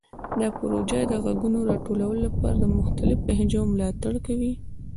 دا پروژه د غږونو د راټولولو لپاره د مختلفو لهجو ملاتړ کوي.